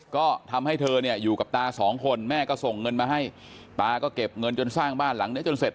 ก็ทำให้เธอเนี่ยอยู่กับตาสองคนแม่ก็ส่งเงินมาให้ตาก็เก็บเงินจนสร้างบ้านหลังเนี้ยจนเสร็จ